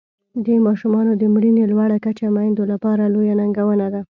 د ماشومانو د مړینې لوړه کچه میندو لپاره لویه ننګونه ده.